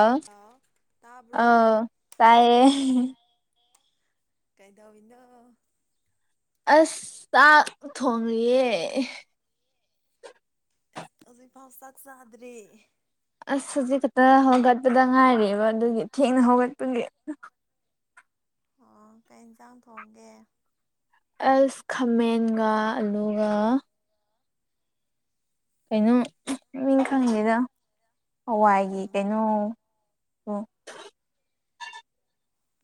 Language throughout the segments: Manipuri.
ꯑ ꯍꯜꯂꯣ ꯑ ꯇꯥꯕ꯭ꯔꯣ ꯇꯥꯏꯌꯦ ꯫ ꯀꯩꯗꯧꯏꯅꯣ꯫ ꯑꯁ ꯆꯥꯛ ꯊꯣꯡꯂꯤꯌꯦ꯫ ꯑꯁ ꯍꯧꯖꯤꯛꯐꯥꯎ ꯆꯥꯛ ꯆꯥꯗ꯭ꯔꯤ꯫ ꯑꯁ ꯍꯧꯖꯤꯛ ꯈꯛꯇ ꯍꯧꯒꯠꯄꯗ ꯉꯥꯏꯔꯤꯕ ꯑꯗꯨꯒꯤ ꯊꯦꯡꯅ ꯍꯧꯒꯠꯄꯒꯤ꯫ ꯑꯣ ꯀꯩ ꯏꯟꯁꯥꯡ ꯊꯣꯡꯒꯦ꯫ ꯑꯁ ꯈꯥꯃꯦꯟꯒ ꯑꯂꯨꯒ꯫ ꯀꯩꯅꯣ ꯃꯃꯤꯡ ꯈꯪꯗꯦꯗ ꯍꯋꯥꯏꯒꯤ ꯎꯝ ꯀꯩꯅꯣ ꯗꯣ ꯫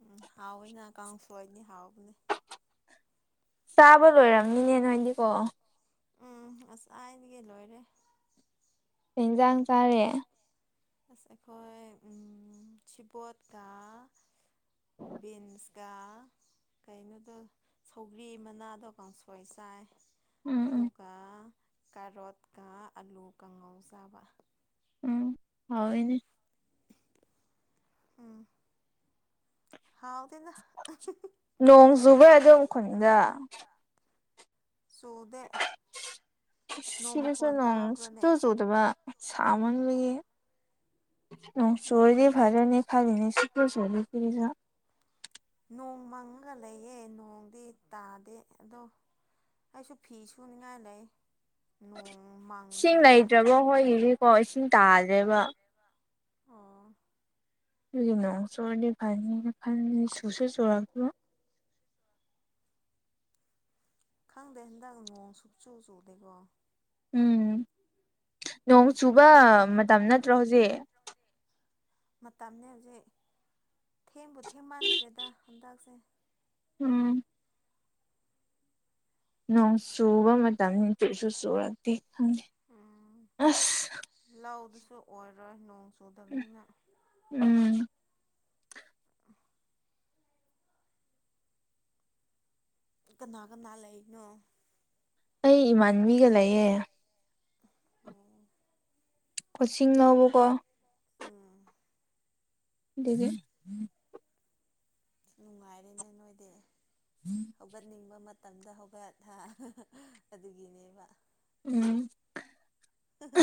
ꯎꯝ ꯍꯥꯎꯋꯤꯅ ꯀꯥꯡꯁꯣꯏꯅꯤ ꯍꯥꯎꯕꯅꯦ꯫ ꯆꯥꯕ ꯂꯣꯏꯔꯝꯅꯤꯅꯦ ꯅꯣꯏꯗꯤꯀꯣ꯫ ꯎꯝ ꯉꯥꯁꯥꯏꯗꯒꯤ ꯂꯣꯏꯔꯦ꯫ ꯀꯩ ꯏꯟꯖꯥꯡ ꯆꯥꯔꯦ꯫ ꯑꯁ ꯑꯩꯈꯣꯏ ꯎꯝ ꯁꯤꯕꯣꯠꯀ꯫ ꯕꯤꯟꯁꯒꯥ ꯀꯩꯅꯣꯗꯣ ꯁꯧꯒ꯭ꯔꯤ ꯃꯅꯥꯗꯣ ꯀꯥꯡꯁꯣꯏ ꯆꯥꯏ꯫ ꯎꯝ ꯎꯝ ꯗꯨꯒꯥ ꯀꯥꯔꯣꯠꯀ ꯑꯂꯨ ꯀꯥꯡꯉꯧ ꯆꯥꯕ꯫ ꯎꯝ ꯍꯥꯎꯋꯤꯅꯦ ꯎꯝ ꯍꯥꯎ ꯅꯣꯡ ꯆꯨꯕꯔ ꯑꯗꯣꯝ ꯈꯨꯟꯗ ꯆꯨꯗꯦ ꯅꯣꯡ ꯁꯤꯗꯁꯨ ꯃꯈꯣꯟ ꯅꯣꯡ ꯇꯥꯕ꯭ꯔꯣꯅꯦ ꯁꯨꯛꯆꯨ ꯆꯨ ꯗꯕ ꯁꯥꯃꯟꯕꯒꯤ ꯅꯣꯡ ꯎꯝ ꯆꯨꯔꯗꯤ ꯐꯗꯣꯏꯅꯦ ꯈꯟꯂꯤꯅꯤ ꯁꯨꯛꯆꯨ ꯆꯨꯨꯗꯦ ꯁꯤꯗ ꯅꯣꯡ ꯃꯪꯉꯒ ꯂꯩꯌꯦ ꯅꯣꯡꯗꯤ ꯇꯥꯗꯦ ꯑꯗꯣ ꯑꯩꯁꯨ ꯐꯤ ꯁꯨꯅꯤꯡꯉꯥꯏ ꯂꯩ꯫ ꯅꯣꯡ ꯏꯁꯤꯡ ꯃꯥꯡꯕꯗꯨꯗ ꯂꯩꯇ꯭ꯔꯕꯣ ꯍꯣꯏꯒꯤꯗꯤꯀꯣ ꯏꯁꯤꯡ ꯇꯥꯗ꯭ꯔꯦꯕ꯫ ꯑꯣ꯫ ꯑꯩꯗꯨ ꯅꯣꯡ ꯆꯨꯔꯗꯤ ꯐꯅꯤꯅ ꯈꯜꯂꯤ ꯁꯨꯁꯨ ꯁꯨꯔꯛꯄꯥ ꯈꯪꯗꯦ ꯍꯟꯗꯛ ꯅꯣꯡ ꯁꯨꯛꯆꯨ ꯆꯨꯗꯦꯀꯣ꯫ ꯎꯝ ꯅꯣꯡ ꯆꯨꯕ ꯃꯇꯝ ꯅꯠꯇ꯭ꯔ ꯍꯧꯖꯤꯛ꯫ ꯃꯇꯝꯅꯦ ꯍꯧꯖꯤꯛ ꯊꯦꯡꯕꯨ ꯊꯦꯡ ꯃꯥꯟꯈ꯭ꯔꯦꯗ ꯍꯟꯗꯛꯁꯦ꯫ ꯎꯝ꯫ ꯅꯣꯡ ꯁꯨꯕ ꯃꯇꯝꯅꯤ ꯆꯨꯁꯨ ꯆꯨꯔꯛꯇꯦ ꯈꯪꯗꯦ ꯎꯝ ꯑꯁ꯫ ꯂꯧꯗꯨꯁꯨ ꯑꯣꯏꯔꯣꯏ ꯅꯣꯡ ꯆꯨꯗꯕꯅꯤꯅ꯫ ꯎꯝ꯫ [unintelligible] ꯀꯅꯥ ꯀꯅꯥ ꯂꯩꯅꯣ꯫ ꯑꯩ ꯏꯃꯥꯟꯅꯕꯤꯒ ꯂꯩꯌꯦ꯫ ꯎꯝ ꯑꯣ ꯀꯣꯆꯤꯡ ꯂꯧꯕꯀꯣ꯫ ꯎꯝ꯫ ꯑꯗꯨꯒꯤ꯫ ꯅꯨꯡꯉꯥꯏꯔꯦꯅꯦ ꯅꯣꯏꯗꯤ ꯍꯧꯒꯠꯅꯤꯡꯕ ꯃꯠ ꯇꯝꯗ ꯍꯧꯒꯠꯊꯥ ꯑꯗꯨꯒꯤꯅꯦꯕ꯫ ꯎꯝ꯫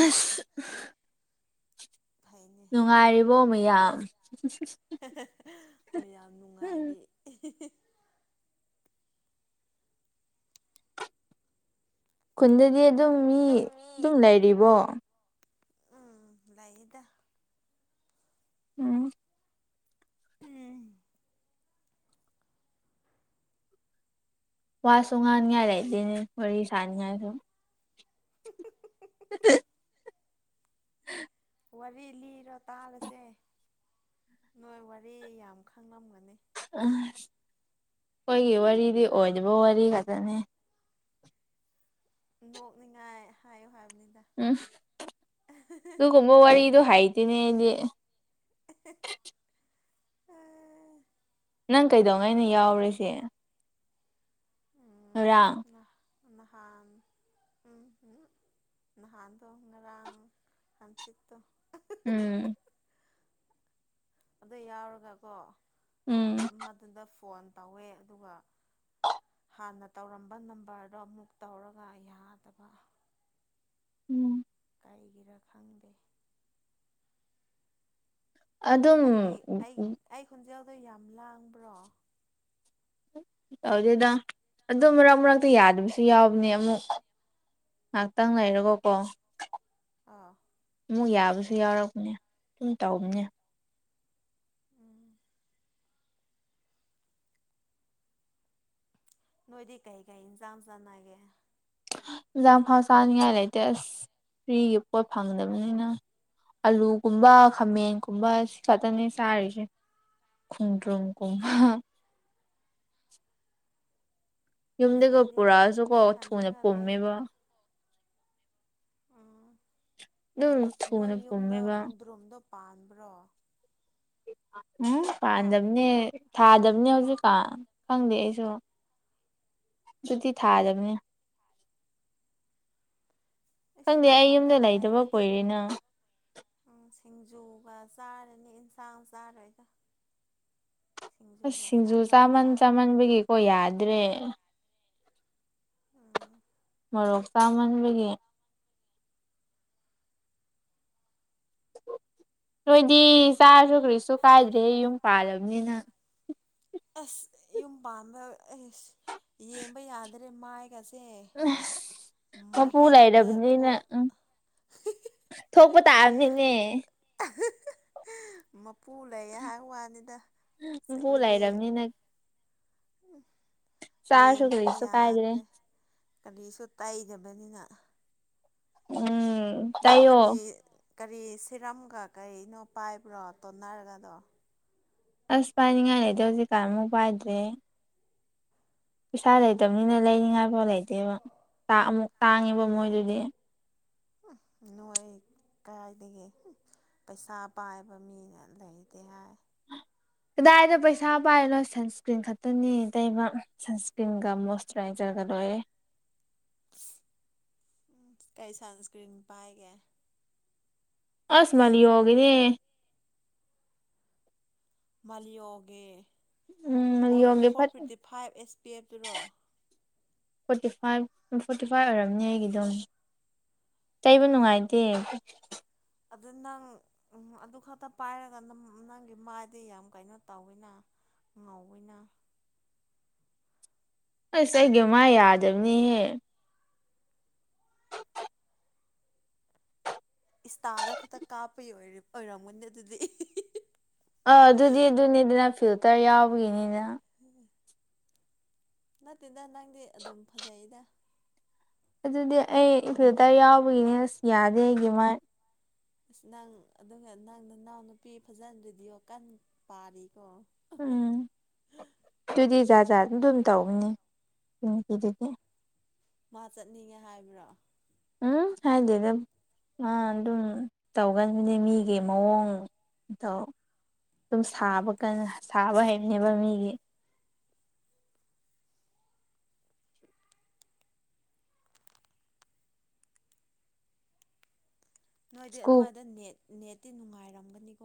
ꯑꯁ ꯅꯨꯡꯉꯥꯏꯔꯤꯕꯣ ꯃꯌꯥꯝ꯫ ꯃꯌꯥꯝ ꯎꯝ ꯅꯨꯡꯉꯥꯏꯔꯤ꯫ ꯈꯨꯟꯗꯗꯤ ꯑꯗꯨꯝ ꯃꯤ ꯇꯨꯝꯃꯤ ꯑꯗꯨꯝ ꯂꯩꯔꯤꯕꯣ꯫ ꯎꯝ ꯂꯩꯥꯏꯌꯦꯗ ꯎꯝ꯫ [inaudible] ꯋꯥꯁꯨ ꯉꯥꯅꯤꯡꯉꯥꯏ ꯂꯩꯇꯅꯦ ꯋꯥꯔꯤ ꯁꯥꯅꯤꯡꯉꯥꯁꯨ꯫ [unintelligible] [unintelligible] ꯋꯥꯔꯤ ꯂꯤꯔꯣ ꯇꯥꯔꯁꯦ ꯅꯣꯏ ꯋꯥꯔꯤ ꯌꯥꯝ ꯈꯪꯉꯝꯒꯅꯤ꯫ ꯑꯁ ꯑꯩꯈꯣꯏꯒꯤ ꯋꯥꯔꯤꯗꯤ ꯑꯣꯏꯗꯕ ꯋꯥꯔꯤ ꯈꯛꯇꯅꯦ꯫ ꯅꯣꯛꯅꯤꯡꯉꯥꯏ ꯍꯥꯏꯌꯨ ꯍꯥꯏꯕꯅꯤꯗ꯫ ꯎꯝ ꯑꯗꯨꯒꯨꯝꯕ ꯋꯥꯔꯤꯗꯣ ꯍꯥꯏꯇꯦꯅꯦ ꯑꯩꯗꯤ꯫ [unintelligible] ꯅꯪ ꯀꯩꯗꯧꯉꯩꯅꯣ ꯌꯥꯎꯔꯤꯁꯦ꯫ ꯉꯔꯥꯡ꯫ ꯅꯍꯥ ꯅꯍꯥꯟ ꯎꯝ [unintelligible] ꯅꯍꯥꯟꯗꯣ ꯉꯔꯥꯡ ꯍꯪ ꯆꯤꯠꯇꯣ꯫ ꯎꯝ꯫ ꯑꯗꯨ ꯌꯥꯎꯔꯒꯀꯣ ꯑꯥ ꯎꯝ ꯑꯝꯃꯥꯗꯨꯗ ꯐꯣꯟ ꯇꯧꯋꯦ ꯑꯗꯨꯒ [unintelligible] ꯍꯥꯟꯅ ꯇꯧꯔꯝꯕ ꯅꯝꯕꯔꯗꯣ ꯑꯃꯨꯛ ꯇꯧꯔꯒ ꯌꯥꯗꯕ꯫ ꯎꯝ꯫ ꯑꯩ ꯒꯤꯔꯥ ꯈꯪꯗꯦ꯫ ꯑꯗꯨꯝ ꯑꯩꯒꯤ ꯑꯩ ꯑꯩ ꯈꯣꯟꯖꯦꯜꯗꯣ ꯌꯥꯝ ꯂꯥꯡꯕ꯭ꯔꯣ꯫ ꯇꯧꯗꯦꯗ ꯑꯗꯣ ꯃꯔꯛ ꯃꯔꯛꯇ ꯌꯥꯗꯕꯁꯨ ꯌꯥꯎꯕꯅꯦ ꯑꯃꯨꯛ꯫ ꯉꯍꯥꯛꯇꯪ ꯂꯩꯔꯒ ꯀꯣ꯫ ꯑꯥ ꯑꯃꯨꯛ ꯌꯥꯕꯁꯨ ꯌꯥꯎꯔꯛꯄꯅꯦ ꯁꯨꯝ ꯇꯧꯕꯅꯦ ꯎꯝ ꯅꯣꯏꯗꯤ ꯀꯩ ꯀꯩ ꯏꯟꯖꯥꯡ ꯆꯥꯅꯒꯦ ꯂꯥꯡ ꯐꯥꯎ ꯆꯥꯅꯤꯡꯉꯥꯏ ꯂꯩꯇꯦ ꯑꯁ ꯐ꯭ꯔꯤꯒꯤ ꯄꯣꯠ ꯐꯪꯗꯕꯅꯤꯅ ꯑꯂꯨꯒꯨꯝꯕ ꯈꯥꯃꯦꯟ ꯀꯨꯝꯕ ꯁꯤ ꯈꯛꯇꯅꯦ ꯆꯥꯔꯤꯖ‌ꯦ ꯈ‌ꯣꯡꯗ꯭ꯔꯨꯝ ꯀꯨꯝ ꯑꯁ ꯌꯨꯝꯗꯒ ꯑꯩꯗꯤ ꯄꯨꯔꯥ ꯑꯖꯨ ꯀꯣ ꯊꯨꯅ ꯏꯊꯟꯗꯒ ꯂꯩ ꯄꯨꯝꯃꯦꯕ ꯎꯝ ꯑꯦ ꯍꯥ ꯑꯗꯨꯝ ꯅꯣꯏ ꯊꯨꯅ ꯌꯨꯝꯗ ꯄꯨꯝꯃꯦꯕ ꯈꯣꯡꯗ꯭ꯔꯨꯝꯗꯣ ꯄꯥꯟꯕ꯭ꯔꯣ ꯎꯝ ꯍꯥ ꯄꯥꯟꯗꯝꯅꯦ ꯊꯥꯗꯕꯅꯦ ꯍꯧꯖꯤꯛꯀꯥꯟ ꯈꯪꯗꯦ ꯑꯩꯁꯨ ꯗꯨꯗꯤ ꯎꯝ ꯊꯥꯗꯕꯅ‌ꯦ ꯏꯁ ꯈꯪꯗꯦ ꯑꯩ ꯊꯟ ꯌꯨꯝꯗ ꯇꯒꯥ ꯂꯩꯇꯕ ꯂꯩꯔꯗꯤ ꯀꯨꯏꯔꯦꯅ ꯎꯝ ꯁꯤꯡꯖꯨꯒ ꯆꯥꯔꯅꯤ ꯑꯦꯟꯁꯥꯡ ꯆꯥꯔꯣꯏꯗ ꯑꯁ ꯁꯤꯡꯖꯨꯒ ꯁꯤꯡꯖꯨ ꯆꯥꯛꯀꯗ ꯆꯥꯃꯟ ꯆꯥꯒꯅꯤ ꯆꯥꯃꯟꯕꯒꯤꯀꯣ ꯌꯥꯗ꯭ꯔꯦ [unintelligible] ꯃꯣꯔꯣꯛ ꯆꯥꯃꯟꯕꯒꯤ ꯅꯣꯏꯗꯤ ꯆꯥꯔꯁꯨ ꯀꯔꯤꯁꯨ ꯀꯥꯏꯗ꯭ꯔꯦ ꯌꯨꯝ ꯄꯥꯜꯂꯝꯅꯤꯅ ꯑꯁ ꯌꯨꯝ ꯄꯥꯟꯕ ꯑꯦꯁ ꯌꯦꯡꯕ ꯌꯥꯗ꯭ꯔꯦ ꯃꯥꯏꯒꯁ ꯇ‌ꯦ ꯃꯄꯨ ꯃꯍꯤ ꯈꯇ ꯊꯣ ꯂꯩꯔꯕꯅꯤꯅ ꯎꯝ ꯊꯣꯛꯄ ꯇꯥꯝꯅꯤꯅꯦ ꯃꯄꯨ ꯂꯩ ꯍꯥꯏ ꯋꯥꯅꯤꯗ ꯃꯄꯨ ꯑꯩꯈꯣꯏꯗꯤ ꯂꯩꯔꯕꯅꯤꯅ ꯆꯥꯔꯁꯨ ꯌꯦꯝꯕꯒ ꯀꯔꯤꯁꯨ ꯀꯥꯏꯗ꯭ꯔꯦ ꯌꯥꯗ꯭ꯔꯦ ꯀꯔꯤꯁꯨ ꯇꯩꯗꯕꯅꯤꯅ ꯎꯝ ꯅꯪ ꯆꯥꯏꯌꯣ ꯀꯔꯤ ꯀꯔꯤ ꯁꯤꯔꯝꯒ ꯀꯩꯅꯣ ꯄꯥꯏꯕ꯭ꯔꯣ ꯇꯣꯅꯔꯒꯗꯣ ꯑꯁ ꯄꯥꯏꯅꯤꯡꯉꯥꯏ ꯂꯩꯗ‌ꯦ ꯍꯧꯖꯤꯛꯀꯥꯟ ꯑꯃꯨꯛ ꯄꯥꯏꯗ꯭ꯔꯦ ꯄꯩꯁꯥ ꯂꯩꯇꯝꯅꯤꯅ ꯂꯩꯅꯤꯡ ꯉꯥꯏꯐꯥꯎ ꯂꯩꯇꯦꯕ ꯇꯥ ꯑꯃꯨꯛ ꯇꯥꯡꯉꯦꯕ ꯃꯣꯏꯗꯨꯗꯤ ꯅꯣꯏ ꯀꯥꯏꯗꯒꯤ ꯄꯩꯁꯥ ꯄꯥꯏꯕ ꯃꯤꯅ ꯂꯩꯇꯦ ꯍꯥꯏ ꯀꯗꯥꯏꯗ ꯄꯩꯁꯥ ꯄꯥꯏꯅꯣ ꯁꯟꯁꯀꯔꯤꯟ ꯈꯠ ꯇꯅ‌ꯦ ꯇꯩꯕ ꯁꯟꯁꯀ꯭ꯔꯤꯟꯒ ꯃꯣꯁꯇꯨ ꯔꯥꯏꯖꯔꯒ ꯂꯣꯏꯔꯦ ꯀꯩ ꯁꯟꯁꯀ꯭ꯔꯤꯟ ꯄꯥꯏꯒꯦ ꯑꯁ ꯃꯂꯤꯌ‌ꯣ ꯒꯤꯅꯦ ꯃꯥꯜꯂꯤꯌꯣꯒꯤ ꯎꯝ ꯐꯣꯔ ꯃꯥꯂꯤꯌꯣꯒꯤ ꯐꯣꯔ ꯐꯠ forty five S P F ꯇꯨꯔꯣ forty five um forty five ꯑꯣꯏꯔꯝꯅꯤ ꯑꯩ ꯒꯤꯗꯨꯝ ꯇꯩꯕ ꯅꯨꯡꯉꯥꯏꯇꯦ ꯑꯗꯨ ꯅꯪ ꯎꯝ ꯑꯗꯨ ꯈꯛꯇ ꯄꯥꯏꯔꯒ ꯅꯝ ꯅꯪꯒꯤ ꯃꯥꯏꯗꯤ ꯌꯥꯝ ꯀꯩꯅꯣ ꯇꯧꯋꯤꯅ ꯉꯧꯋꯤꯅ ꯑꯩꯁ ꯑꯩꯒꯤ ꯃꯥ ꯌꯥꯗꯕꯅꯤꯍꯦ ꯏꯁꯇꯥꯗ ꯈꯛꯇ ꯀꯥꯞꯄꯒꯤ ꯑꯣꯏꯔꯦꯞ ꯑꯣꯏꯔꯝꯒꯅꯤ ꯑꯗꯨꯗꯤ ꯑꯥ ꯑꯗꯨꯗꯤ ꯑꯗꯨꯅꯤꯗꯅ ꯐꯤꯜꯇꯔ ꯌꯥꯎꯕꯒꯤꯅꯤꯅ ꯅꯠꯇꯦꯗ ꯅꯪꯗꯤ ꯑꯗꯨꯝ ꯐꯖꯩꯗ ꯑꯗꯨꯗꯤ ꯑꯩ ꯐꯤꯜꯇꯔ ꯌꯥꯎꯕꯒꯤꯅꯦ ꯑꯁ ꯌꯥꯗꯦ ꯑꯩꯒꯤ ꯃꯥꯏ ꯑꯁ ꯅꯪ ꯑꯗꯨꯒ ꯅꯪ ꯅꯅꯥꯎ ꯅꯨꯄꯤ ꯐꯖꯅ ꯔꯦꯗꯤꯑꯣ ꯀꯟꯅ ꯄꯥꯔꯤꯀꯣ ꯎꯝ ꯑꯗꯨꯗꯤ ꯖꯥꯠ ꯖꯥꯠ ꯑꯗꯨꯝ ꯇꯧꯕꯅꯤ ꯀꯤꯡꯀꯤꯗꯨꯗꯤ ꯃꯥ ꯆꯠꯅꯤꯡꯉꯦ ꯍꯥꯏꯕ꯭ꯔꯥ ꯎꯝ ꯍꯥꯏꯗꯦꯗ ꯃꯥ ꯑꯗꯨꯝ ꯇꯧꯒꯟꯕꯅꯤ ꯃꯤꯒꯤ ꯃꯑꯣꯡ ꯃꯇꯧ ꯑꯗꯨꯝ ꯎꯝ ꯁꯥꯕ ꯀꯟꯅ ꯁꯥꯕ ꯍꯩꯕꯅꯦꯕ ꯃꯤꯒꯤ [unintelligible] ꯅꯣꯏꯗꯤ ꯁ꯭ꯀꯨꯜ ꯑꯗꯨꯋꯥꯏꯗ ꯅꯦꯠ ꯅꯦꯠꯇꯤ ꯅꯨꯡꯉꯥꯏꯔꯝꯒꯅꯤꯀꯣ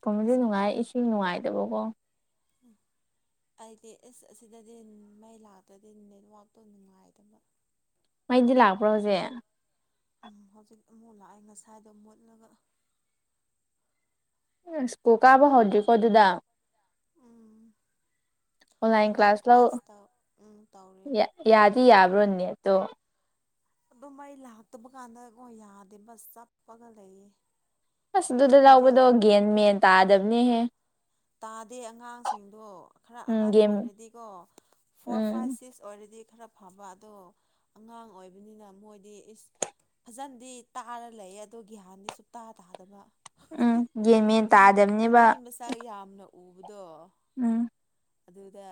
ꯀꯨꯝꯕꯗꯤ ꯑꯁ ꯅꯨꯡꯉꯥꯏ ꯏꯁꯤꯡ ꯅꯨꯡꯉꯥꯏꯗꯕꯀꯣ ꯎꯝ ꯑꯩꯗꯤ ꯏꯁ ꯑꯁꯤꯗꯗꯤ ꯃꯩ ꯂꯥꯛꯇ꯭ꯔꯗꯤ ꯅꯦꯠꯋꯥꯛ ꯇꯣ ꯅꯨꯡꯉꯥꯏꯇꯕ ꯃꯩꯗꯤ ꯂꯥꯛꯄ꯭ꯔꯣ ꯍꯧꯖꯤꯛ ꯎꯝ ꯍꯧꯖꯤꯛ ꯑꯃꯨꯛ ꯂꯥꯛꯑꯦ ꯉꯁꯥꯏꯗꯣ ꯃꯨꯠꯂꯒ ꯁ꯭ꯀꯨꯜ ꯀꯥꯕ ꯍꯧꯗ꯭ꯔꯤꯀꯣ ꯑꯗꯨꯗ ꯎꯝ ꯑꯣꯟꯂꯥꯏꯟ ꯀ꯭ꯂꯥꯁ ꯇꯧ ꯎꯝ ꯇꯧꯔꯤ ꯌꯥꯗꯤ ꯌꯥꯕ꯭ꯔꯣ ꯅꯦꯠ ꯇꯣ ꯑꯗꯨꯝ ꯃꯩ ꯂꯥꯛꯇꯕ ꯀꯥꯟꯗꯒꯣ ꯌꯥꯗꯦ ꯕꯁ ꯆꯞꯄꯒ ꯂꯩꯌꯦ ꯑꯁ ꯃꯣꯏ ꯑꯗꯨꯗ ꯂꯧꯕꯗꯣ ꯈꯣꯟꯖꯦꯜꯁꯨ ꯒꯦꯟ ꯃꯦꯟ ꯇꯥꯗꯕꯅꯦꯍꯦ ꯇꯥꯗꯦ ꯑꯉꯥꯡꯁꯤꯡꯗꯣ ꯈꯔ ꯎꯝ ꯑꯍꯟ ꯒꯦꯝ ꯑꯣꯏꯔꯗꯤꯀꯣ ꯐꯣꯔ ꯎꯝ ꯐꯥꯏꯚ ꯁꯤꯛꯁ ꯑꯣꯏꯔꯗꯤ ꯈꯔ ꯐꯥꯕ ꯑꯗꯣ ꯑꯉꯥꯡ ꯑꯣꯏꯕꯅꯤꯅ ꯃꯣꯏꯗꯤ ꯏꯁ ꯐꯖꯅꯗꯤ ꯇꯥꯔ ꯂꯩꯌꯦ ꯑꯣ ꯒꯍꯥꯟꯗꯤ ꯁꯨꯡꯇꯥ ꯇꯥꯗꯕ ꯎꯝ ꯒ꯭ꯌꯥꯟ ꯃꯦꯟ ꯃꯤ ꯇꯥꯗꯕꯅꯦꯕ ꯃꯤ ꯃꯆꯥꯛ ꯌꯥꯝꯅ ꯎꯕꯗꯣ ꯎꯝ ꯑꯗꯨꯗ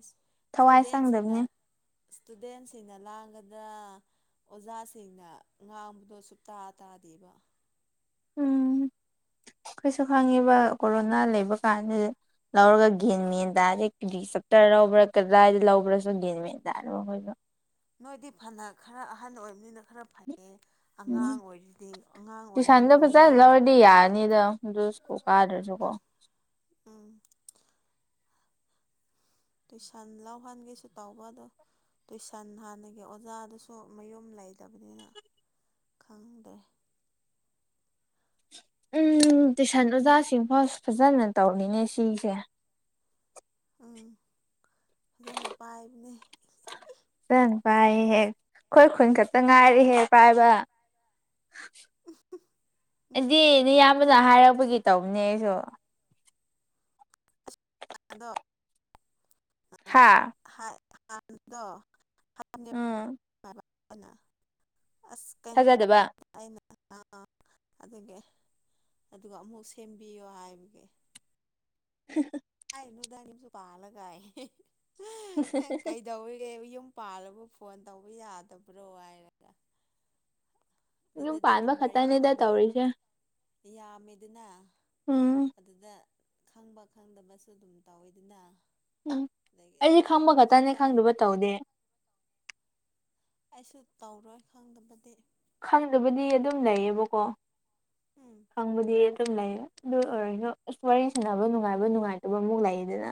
ꯏꯁ ꯊꯋꯥꯏ ꯁ꯭ꯇꯨꯗꯦꯟꯁꯤꯡꯅ ꯆꯪꯗꯕꯅꯦ ꯁ꯭ꯇꯨꯗꯦꯟꯁꯤꯡꯅ ꯂꯥꯡꯒꯗ꯭ꯔ ꯑꯣꯖꯥꯁꯤꯡꯅ ꯉꯥꯡꯕꯗꯣ ꯁꯨꯛꯇꯥ ꯇꯥꯗꯦꯕ ꯎꯝ ꯑꯈꯣꯏꯁꯨ ꯈꯪꯉꯤꯕ ꯀꯣꯔꯣꯅꯥ ꯂꯩꯕ ꯀꯥꯟꯁꯤꯗ ꯂꯧꯔꯒ ꯒꯦꯟ ꯃꯦꯟ ꯇꯥꯗꯦ ꯀꯔꯤ ꯆꯞꯇꯔ ꯂꯧꯕ꯭ꯔꯥ ꯀꯗꯥꯏꯗ ꯂꯧꯕ꯭ꯔꯥꯁꯨ ꯒꯦꯟ ꯃꯦꯟ [unintelligible] ꯅꯣꯏꯗꯤ ꯐꯥꯅ ꯈꯔ ꯑꯍꯟ ꯑꯣꯏꯕꯅꯤꯅ ꯈꯔ ꯐꯩꯌꯦ ꯎꯝ ꯑꯉꯥꯡ ꯑꯣꯏꯔꯤꯗꯤ ꯑꯉꯥꯡ ꯇꯨꯏꯁꯟꯗꯣ ꯑꯣꯏꯕꯒꯤꯀꯣ ꯐꯖꯅ ꯃꯣꯏꯗꯤ ꯂꯧꯔꯗꯤ ꯌꯥꯔꯅꯤꯗ ꯑꯗꯨ ꯁ꯭ꯀꯨꯜ ꯀꯥꯗ꯭ꯔꯁꯨꯀꯣ ꯎꯝ ꯇꯨꯏꯁꯟ ꯂꯧꯍꯟꯒꯦꯁꯨ ꯇꯧꯕ ꯑꯗꯣ ꯇꯨꯏꯁꯟ ꯍꯥꯟꯅꯒꯤ ꯑꯣꯖꯥꯗꯨꯁꯨ ꯃꯌꯨꯝ ꯂꯩꯇꯕꯅꯤꯅ ꯈꯪꯗꯦ ꯎꯝ ꯇꯨꯏꯁꯟ ꯑꯣꯖꯥꯁꯤꯡ ꯐꯥꯎ ꯐꯖꯅ ꯇꯧꯅꯤꯡꯉꯦ ꯁꯤꯁꯦ ꯎꯝ ꯐꯖꯅ ꯄꯥꯏꯕꯅꯦ ꯐꯖꯅ ꯄꯥꯏꯌꯦꯍꯦ ꯑꯩꯈꯣꯏ ꯈꯨꯟ ꯈꯛꯇ ꯉꯥꯏꯔꯦꯍꯦ ꯄꯥꯏꯕ ꯎꯝ ꯑꯩꯗꯤ ꯅꯌꯥꯝꯕꯅ ꯍꯥꯏꯔꯛꯄꯒꯤ ꯇꯧꯕꯅꯦ ꯑꯩꯁꯨ ꯑꯗꯣ ꯑꯥ ꯍꯥꯏ ꯍꯥ [unintelligible] ꯍꯥꯢꯕꯗꯣ ꯎꯝ [unintelligible] [unintelligible] ꯑꯁ ꯀꯩꯅꯣ ꯊꯥꯖꯗꯕ [unintelligible] ꯑꯩꯅ ꯑꯥ ꯑꯗꯨꯒꯤ ꯑꯗꯨꯒ ꯑꯃꯨꯛ ꯁꯦꯝꯕꯤꯌꯣ ꯍꯥꯏꯕꯒꯤ [inaudible] [unintelligible] [unintelligible] ꯄꯥꯜꯂꯒꯥ [unintelligible] ꯅꯪ ꯀꯩꯗꯧꯔꯤꯒꯦ ꯃꯌꯨꯝ ꯄꯥꯜꯂꯕꯨ ꯐꯣꯟ ꯇꯧꯕ ꯌꯥꯗꯕ꯭ꯔꯣ ꯍꯥꯏꯔꯒ ꯌꯨꯝ ꯑꯗꯨꯗꯗꯤ ꯄꯥꯟꯕ ꯅꯝꯕꯔ ꯈꯛꯇꯅꯤꯗ ꯌꯥꯝ ꯇꯧꯔꯤꯁꯦ ꯌꯥꯝꯃꯦꯗꯅ ꯎꯝ ꯑꯗꯨꯗ ꯈꯪꯕ ꯈꯪꯗꯕꯁꯨ ꯑꯗꯨꯝ ꯇꯧꯋꯤꯗꯅ ꯎꯝ ꯑꯗꯒꯤ ꯑꯩꯗꯤ ꯈꯪꯕ ꯇꯧꯗ꯭ꯔꯁꯨ ꯈꯛꯇꯅꯦ ꯌꯥꯏꯗ ꯈꯪꯗꯕ ꯇꯧꯗꯦ ꯑꯩꯁꯨ ꯇꯧꯔꯣꯏ ꯈꯪꯗꯕꯗꯤ ꯈꯪꯗꯕꯗꯤ ꯑꯗꯨꯝ ꯂꯩꯌꯦꯕꯀꯣ ꯎꯝ ꯈꯪꯕꯗꯤ ꯑꯗꯨꯝ ꯂꯩꯌꯦ ꯑꯗꯨ ꯑꯣꯏꯔꯁꯨ ꯑꯁ ꯋꯥꯔꯤ ꯁꯥꯟꯅꯕ ꯅꯨꯡꯉꯥꯏꯕ ꯅꯨꯡꯉꯥꯏꯇꯕ ꯑꯃꯨꯛ ꯂꯩꯌꯦꯗꯅ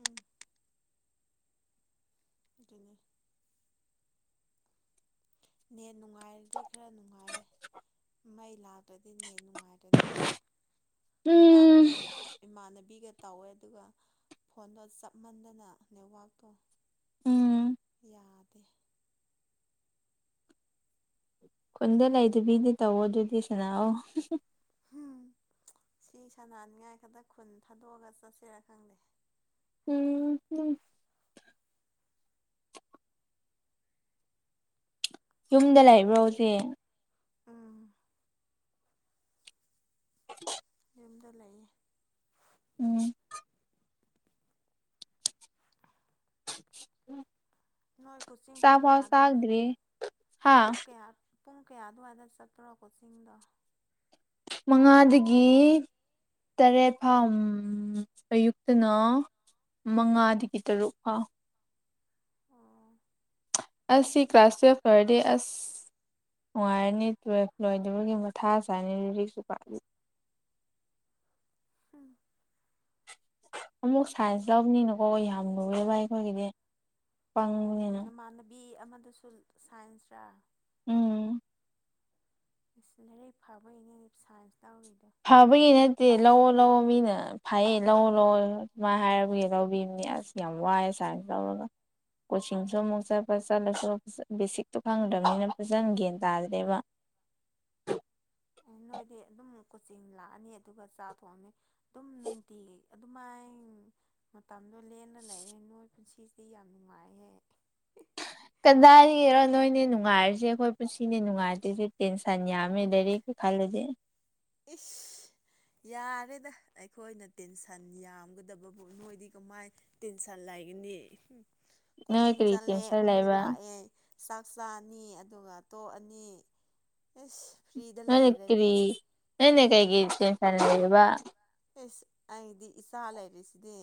ꯎꯝ ꯑꯗꯨꯅꯦ ꯅꯦꯠ ꯅꯨꯡꯉꯥꯏꯔꯗꯤ ꯈꯔ ꯅꯨꯡꯉꯥꯏꯌꯦ ꯃꯩ ꯂꯥꯛꯇ꯭ꯔꯥꯗꯤ ꯅꯦꯠ ꯅꯨꯡ ꯅꯨꯡꯉꯥꯏꯇ꯭ꯔꯗꯤꯀꯣ ꯎꯝ ꯉꯔꯥꯡꯗꯣ ꯏꯃꯥꯟꯅꯕꯤꯒ ꯇꯧꯋꯦ ꯑꯗꯨꯒ ꯐꯣꯟꯗꯣ ꯆꯞ ꯃꯥꯟꯗꯅ ꯅꯦꯠꯋꯥꯛꯇꯣ ꯎꯝ ꯌꯥꯗꯦ ꯈꯨꯟꯗ ꯂꯩꯗꯕꯤꯗ ꯇꯧꯑꯣ ꯑꯗꯨꯗꯤ ꯁꯥꯟꯅꯧꯑꯣ ꯎꯝ ꯁꯤ ꯁꯅꯥꯅꯤꯡꯉꯥꯏ ꯈꯛꯇ ꯈꯨꯟ ꯊꯥꯗꯣꯛꯑꯒ ꯆꯠꯁꯤꯔꯥ ꯈꯪꯗꯦ ꯎꯝ ꯎꯝ ꯌꯨꯝꯗ ꯂꯩꯕ꯭ꯔꯣ ꯍꯧꯖꯤꯛ ꯎꯝ ꯍ [inaudible] ꯌꯨꯝꯗ ꯂꯩꯌꯦ ꯎꯝ ꯎꯝ [unintelligible] ꯅꯣꯏ ꯀꯣꯆꯤꯡ ꯄꯨꯡ ꯀꯌꯥ ꯑꯗꯨꯋꯥꯏꯗ ꯆꯥꯗ꯭ꯔꯤ ꯍꯥ ꯄꯨꯡ ꯀꯌꯥ ꯄꯨꯡ ꯀꯌꯥ ꯑꯗꯨꯋꯥꯏꯗ ꯆꯠꯄ꯭ꯔꯣ ꯀꯣꯆꯤꯡꯗꯣ ꯃꯉꯥꯗꯒꯤ ꯇꯔꯦꯠ ꯐꯥꯎ ꯎꯝ ꯑꯌꯨꯛꯇꯅ ꯃꯉꯥꯗꯒꯤ ꯇꯔꯨꯛ ꯐꯥꯎ ꯑꯣ ꯑꯁ ꯁꯤ ꯀ꯭ꯂꯥꯁ ꯇꯨꯋꯦꯜꯐ ꯂꯣꯢꯔꯗꯤ ꯑꯁ ꯅꯨꯡꯉꯥꯏꯔꯅꯤ ꯇꯨꯌꯦꯜꯐ ꯂꯣꯏꯗꯕꯒꯤ ꯃꯊꯥ ꯁꯥꯢꯅꯦ ꯍ ꯂꯥꯢꯔꯤꯛꯁꯨ ꯄ ꯑꯝ ꯑꯃꯨꯛ ꯁꯥꯏꯟꯁ ꯂꯧꯕꯅꯤꯅꯀꯣ ꯌꯥꯝ ꯂꯨꯋꯦꯕ ꯑꯩꯈꯣꯏꯒꯤꯗꯤ ꯄꯪꯕꯅꯤꯅ ꯅꯃꯥꯟꯅꯕꯤ ꯑꯃꯗꯨꯁꯨ ꯁꯥꯏꯟꯁꯔꯥ ꯎꯝ ꯢꯁ ꯂꯥꯏꯔꯤꯛ ꯐꯥꯕꯩꯅꯦ ꯁꯥꯏꯟꯁ ꯂꯧꯔꯤꯗꯣ ꯐꯕꯒꯤ ꯅꯠꯇꯦ ꯂꯧꯑꯣ ꯂꯧꯑꯣ ꯃꯤꯅ ꯐꯩꯌꯦ ꯂꯧꯑꯣ ꯂꯧꯑꯣ ꯑꯗꯨꯃꯥꯏꯅ ꯍꯥꯏꯔꯕꯒꯤ ꯂꯧꯕꯤꯕꯅꯤ ꯑꯁ ꯌꯥꯝ ꯋꯥꯏ ꯁꯥꯢꯟꯁ ꯂꯧꯔꯒ ꯀꯣꯆꯤꯡꯁꯨ ꯑꯃꯨꯛ ꯆꯠꯄ ꯆꯠꯂꯁꯨ ꯕꯦꯁꯤꯛꯇꯣ ꯈꯪꯗ꯭ꯔꯕꯅꯤꯅ ꯐꯖꯅ ꯒ꯭ꯌꯥꯟ ꯇꯥꯗ꯭ꯔꯦꯕ ꯑꯦ ꯅꯣꯏꯗꯤ ꯑꯗꯨꯝ ꯀꯣꯆꯤꯡ ꯂꯥꯛꯑꯅꯤ ꯑꯗꯨꯒ ꯆꯥꯛ ꯊꯣꯡꯑꯅꯤ ꯑꯗꯨꯝ ꯅꯨꯡꯇꯤꯒꯤ ꯑꯗꯨꯃꯥꯏ ꯃꯇꯝꯗꯣ ꯂꯦꯜꯂ ꯂꯩꯔꯦ ꯅꯣꯏ ꯄꯨꯟꯁꯤꯁꯤꯗꯤ ꯌꯥꯝ ꯅꯨꯡꯉꯥꯏꯍꯦ ꯀꯗꯥꯏꯗꯒꯤꯔꯣ ꯅꯣꯏꯅꯦ ꯅꯨꯡꯉꯥꯏꯔꯤꯁꯦ ꯑꯩꯈꯣꯏ ꯄꯨꯟꯁꯤꯅꯦ ꯅꯨꯡꯉꯥꯏꯇꯔꯤꯁꯦ ꯇꯦꯟꯁꯟ ꯌꯥꯝꯃꯦ ꯂꯥꯏꯔꯤꯛꯀꯤ ꯈꯜꯂꯗꯤ ꯏꯁ ꯌꯥꯔꯦꯗ ꯑꯩꯈꯣꯏꯅ ꯇꯦꯟꯁꯟ ꯌꯥꯝꯒꯗꯕꯕꯨ ꯅꫭꯏꯗꯤ ꯀꯃꯥꯏ ꯇꯦꯟꯁꯟ ꯂꯩꯒꯅꯤ ꯅꯣꯏ ꯀꯣꯆꯤꯡ ꯀꯔꯤ ꯆꯠꯂꯦ ꯇꯦꯟꯁꯟ ꯑꯃꯨꯛ ꯂꯩꯕ꯭ꯔꯥ ꯂꯥꯛꯑꯦ ꯆꯥꯛ ꯆꯥꯅꯤ ꯑꯗꯨꯒ ꯇꯣꯛꯑꯅꯤ ꯑꯦꯁ ꯐ꯭ꯔꯤꯗ ꯅꯪꯅ ꯂꯩꯔꯅꯤ ꯀꯔꯤ ꯅꯪꯅ ꯀꯩꯒꯤ ꯇꯦꯟꯁꯟ ꯂꯩꯔꯤꯕ ꯑꯦꯁ ꯑꯩꯗꯤ ꯏꯆꯥ ꯂꯩꯔꯁꯤꯗꯤ